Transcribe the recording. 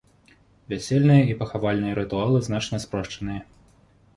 Вясельныя і пахавальныя рытуалы значна спрошчаныя.